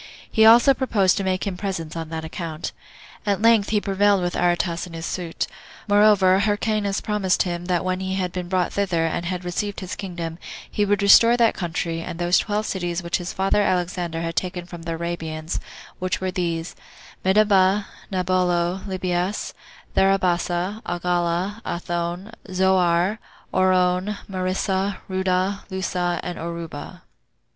He also proposed to make him presents on that account. At length he prevailed with Aretas in his suit. Moreover, Hyrcanus promised him, that when he had been brought thither, and had received his kingdom, he would restore that country, and those twelve cities which his father Alexander had taken from the Arabians, which were these, Medaba, Naballo, Libias, Tharabasa, Agala, Athone, Zoar, Orone, Marissa, Rudda, Lussa, and Oruba.